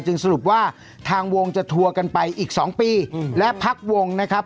สรุปว่าทางวงจะทัวร์กันไปอีก๒ปีและพักวงนะครับ